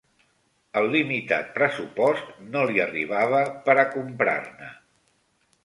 El limitat pressupost no li arribava per a comprar-ne